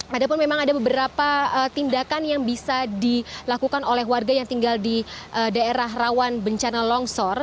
padahal memang ada beberapa tindakan yang bisa dilakukan oleh warga yang tinggal di daerah rawan bencana longsor